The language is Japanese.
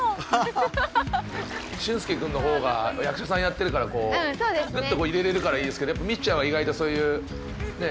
俊介くんの方が役者さんやってるからこうグッとこう入れられるからいいですけどやっぱりミチちゃんは意外とそういうねえ？